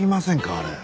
あれ。